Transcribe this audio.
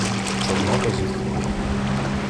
Чорнота зітхнув.